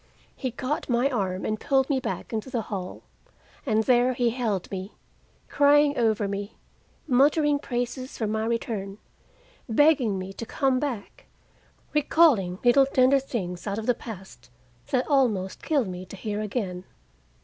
He caught my arm and pulled me back into the hall, and there he held me, crying over me, muttering praises for my return, begging me to come back, recalling little tender things out of the past that almost killed me to hear again.